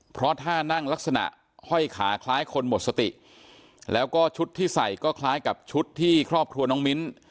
เพราะท่านั่งลักษณะห้อยขาคล้ายคนหมดสติแล้วก็ชุดที่ใส่ก็คล้ายกับชุดที่ครอบครัวน้องมิ้น